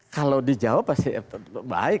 kalau di jawa pasti baik